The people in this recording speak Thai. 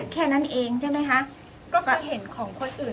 แค่นั้นเองใช่ไหมคะก็เห็นของคนอื่น